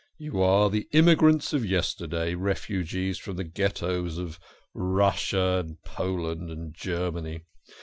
You are the immigrants of yesterday refugees from the Ghettoes of Russia and Poland and Germany.